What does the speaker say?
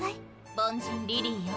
凡人リリーよ。